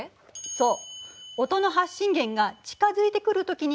そう。